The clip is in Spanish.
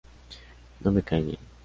No me caen bien.